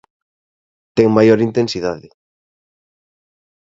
Ten maior intensidade.